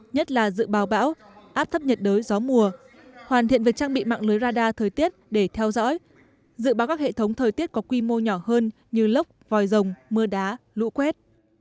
nhất là dự báo bão áp thấp nhiệt đới gió mùa hoàn thiện việc trang bị mạng lưới radar thời tiết để theo dõi dự báo các hệ thống thời tiết có quy mô nhỏ hơn như lốc vòi rồng mưa đá lũ quét